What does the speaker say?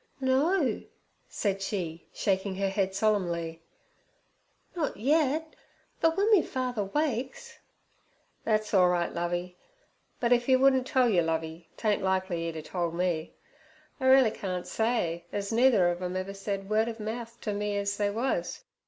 'No' said she, shaking her head solemnly, 'not yet, but w'en me father wakes—' 'Thet's orlright, Lovey, but if 'e wouldn't tell you, Lovey, tain't likely 'e'd a told me. I reelly can't say, ez neither ov 'em ever said word ov mouth ter me ez they was.